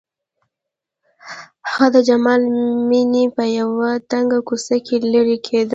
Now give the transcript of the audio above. هغه د جمال مېنې په يوه تنګه کوڅه کې لېرې کېده.